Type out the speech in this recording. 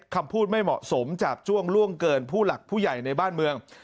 คำพูดไม่เหมาะสมจาบจ้วงล่วงเกินผู้หลักผู้ใหญ่ในบ้านเมือง